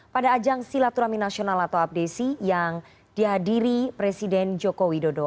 pada ajang silaturahmi nasional atau abdesi yang dihadiri presiden joko widodo